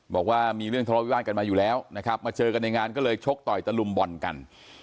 บอกว่ามีเรื่องทะเลาวิวาสกันมาอยู่แล้วนะครับมาเจอกันในงานก็เลยชกต่อยตะลุมบ่อนกัน